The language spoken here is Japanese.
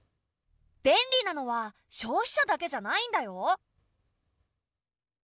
便利なのは消費者だけじゃないんだよ。